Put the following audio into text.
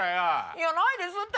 いやないですって。